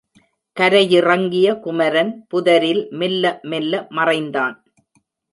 கரையிறங்கிய குமரன் புதரில் மெல்ல மெல்ல மறைந்தான்.